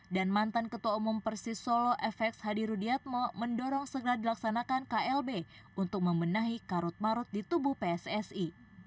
dan mantan ketua umum persis solo fx hadi rudiatmo mendorong segera dilaksanakan klb untuk membenahi karut marut di tubuh pssi